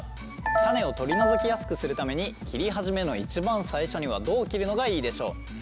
種を取り除きやすくするために切り始めの一番最初にはどう切るのがいいでしょう？